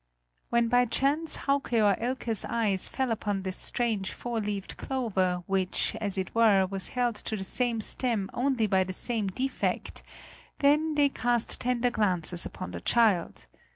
When by chance Hauke's or Elke's eyes fell upon this strange four leaved clover which, as it were, was held to the same stem only by the same defect then they cast tender glances upon the child.